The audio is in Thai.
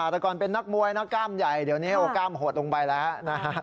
แต่ก่อนเป็นนักมวยนะกล้ามใหญ่เดี๋ยวนี้เอากล้ามหดลงไปแล้วนะฮะ